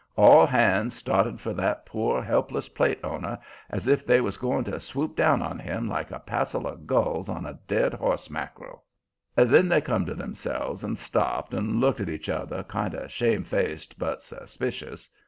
All hands started for that poor, helpless plate owner as if they was going to swoop down on him like a passel of gulls on a dead horse mack'rel. Then they come to themselves and stopped and looked at each other, kind of shamefaced but suspicious.